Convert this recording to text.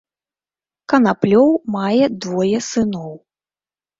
Канаплёў мае двое сыноў.